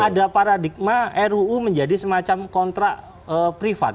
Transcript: ada paradigma ruu menjadi semacam kontrak privat